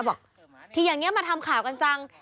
บอกที่อย่างนี้มาทำข่าวกันจัง